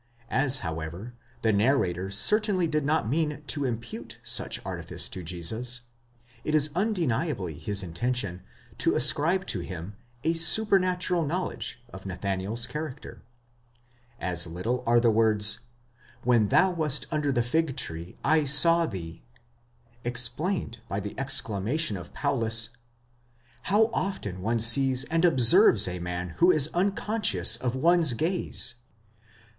As, however, the narrator certainly did not mean to impute such artifice to Jesus, it is undeniably his intention to ascribe to him a supernatural knowledge of Nathanael's character. As little are the words, When thou wast under the fig tree, [ saw thee, explained by the exclamation of Paulus, " How often one sees and observes a man who is unconscious of one's gaze!"